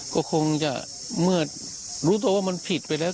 ก็คงจะเมื่อรู้ตัวว่ามันผิดไปแล้ว